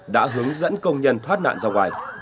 đã hướng dẫn công nhân thoát nạn ra ngoài